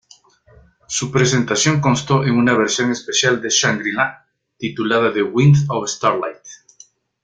Su presentación constó en una versión especial de ""Shangri-La"" titulada ""The Wind of Starlight"".